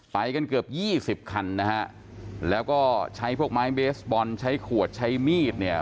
ไปกันเกือบยี่สิบคันนะฮะแล้วก็ใช้พวกไม้เบสบอลใช้ขวดใช้มีดเนี่ย